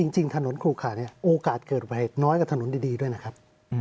จริงถนนครูขาเนี่ยโอกาสเกิดไว้น้อยกับถนนดีด้วยนะครับ